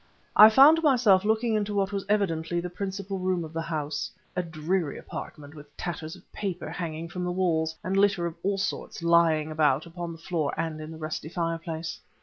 I found myself looking into what was evidently the principal room of the house a dreary apartment with tatters of paper hanging from the walls and litter of all sorts lying about upon the floor and in the rusty fireplace.